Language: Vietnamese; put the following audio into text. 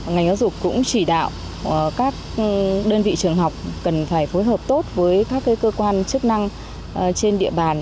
ngành giáo dục cũng chỉ đạo các đơn vị trường học cần phải phối hợp tốt với các cơ quan chức năng trên địa bàn